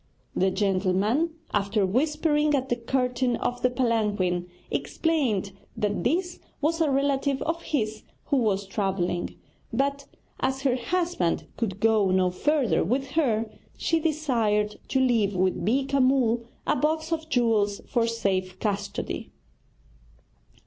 The gentleman, after whispering at the curtain of the palanquin, explained that this was a relative of his who was travelling, but as her husband could go no further with her, she desired to leave with Beeka Mull a box of jewels for safe custody.